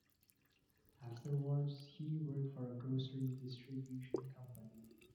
Afterwards, he worked for a grocery distribution company.